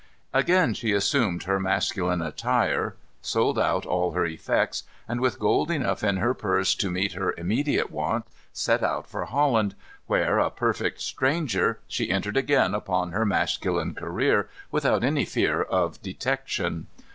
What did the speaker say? Again she assumed her masculine attire, sold out all her effects, and with gold enough in her purse to meet her immediate wants, set out for Holland, where, a perfect stranger, she entered again upon her masculine career, without any fear of detection.